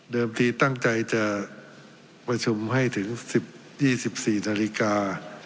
เดิมที่ตั้งใจจะประชุมให้ถึงสิบยี่สิบสี่นาฬิกา